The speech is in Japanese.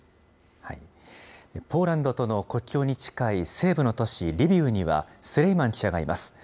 ポーランドとの国境に近い西部の都市、リビウにはスレイマン記者がいます。